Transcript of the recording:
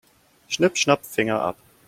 Schnipp-schnapp, Finger ab.